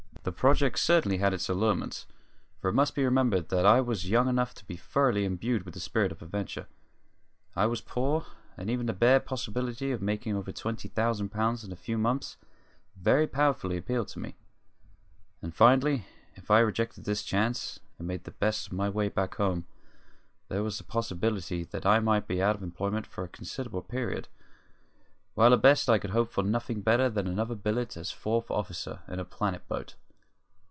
The project certainly had its allurements, for it must be remembered that I was then young enough to be thoroughly imbued with the spirit of adventure. I was poor, and even the bare possibility of making over twenty thousand pounds in a few months very powerfully appealed to me; and finally, if I rejected this chance and made the best of my way back home, there was the possibility that I might be out of employment for a considerable period, while at best I could hope for nothing better than another billet as fourth officer in a Planet boat.